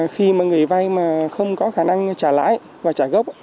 khi mà người vay mà không có khả năng trả lãi và trả gốc